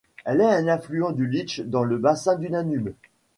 Elle est un affluent du Lech dans le bassin du Danube.